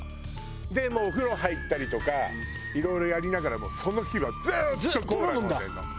でもうお風呂入ったりとかいろいろやりながらその日はずっとコーラ飲んでるの。